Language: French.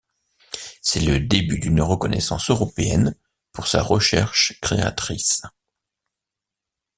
C'est le début d'une reconnaissance européenne pour sa recherche créatrice.